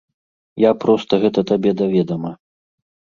Я проста гэта табе да ведама.